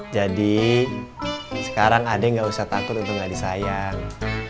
jadi sekarang ade gak usah takut untuk gak disayang